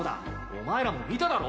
お前らも見ただろ？